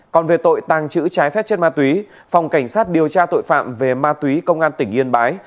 còn về tội tàng trữ trái phép chất ma túy phòng cảnh sát điều tra tội phạm về ma túy công an tỉnh yên bái